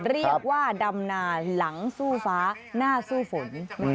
เรียกว่าดำนาหลังสู้ฟ้าหน้าสู้ฝน